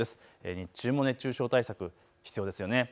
日中も熱中症対策必要ですよね。